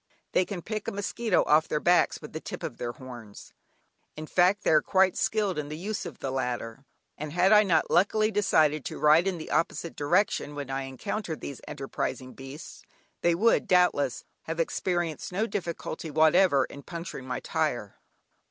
They can pick a mosquito off their backs with the tip of their horns, in fact they are quite skilled in the use of the latter, and had I not luckily decided to ride in the opposite direction when I encountered these enterprising beasts, they would, doubtless, have experienced no difficulty whatever in puncturing my tyre!